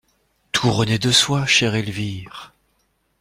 Tout renaît de soi, chère Elvire.